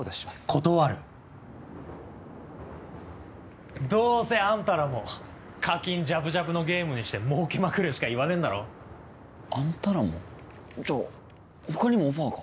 断るどうせあんたらも課金ジャブジャブのゲームにして儲けまくれしか言わねえんだろあんたらも？じゃあ他にもオファーが？